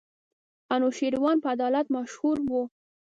انوشېروان په عدالت مشهور وو.